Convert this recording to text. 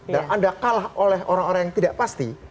dan anda kalah oleh orang orang yang tidak pasti